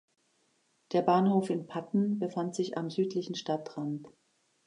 Der Bahnhof in Patten befand sich am südlichen Stadtrand.